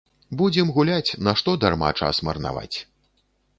Будзем гуляць, нашто дарма час марнаваць!